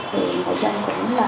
thì người dân cũng là